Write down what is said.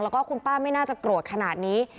แล้วก็คุณป้าไม่น่าจะโกรธขนาดนี้